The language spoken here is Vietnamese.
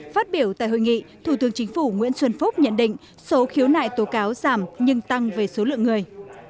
phát biểu tại hội nghị thủ tướng chính phủ nguyễn xuân phúc nhận định số khiếu nại tố cáo giảm nhưng tăng về số lượng người